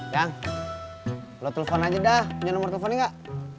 yang lu telfon aja dah punya nomor telepon enggak